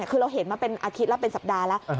คือเราเห็นมาเป็นอาทิตย์แล้วเป็นสัปดาห์แล้ว